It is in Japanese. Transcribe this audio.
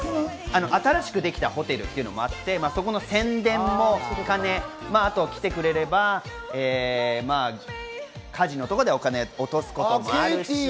新しくできたホテルというのもあってそこの宣伝もかね、あと来てくれれば、カジノとかでお金を落とすこともあるし。